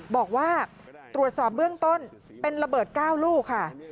บอกว่าตรวจสอบเบื้องต้นเป็นระเบิด๙ลูกค่ะ